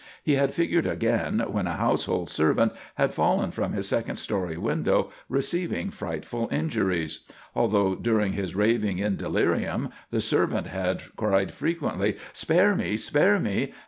He had figured again, when a household servant had fallen from his second story window, receiving frightful injuries. Although during his raving in delirium the servant had cried frequently "spare me! spare me!"